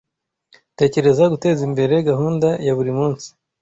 tekereza guteza imbere gahunda ya buri munsi